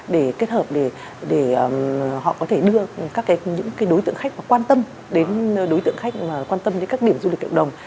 để kết hợp để họ có thể đưa các đối tượng khách quan tâm đến các điểm du lịch cộng đồng